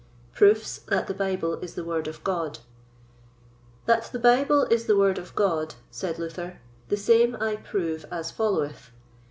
Proofs that the Bible is the Word of God. That the Bible is the Word of God, said Luther, the same I prove as followeth.